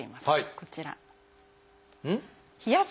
こちら。